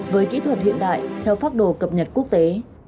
với kỹ thuật hiện đại theo pháp đồ cập nhật quốc tế